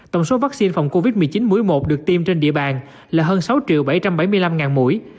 tổng số vaccine phòng covid một mươi chín mũi một được tiêm trên địa bàn là hơn sáu bảy trăm bảy mươi năm mũi